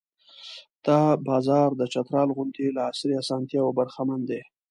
دا بازار د چترال غوندې له عصري اسانتیاوو برخمن دی.